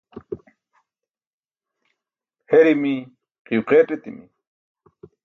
herimi, qiyo qeeṭ etimi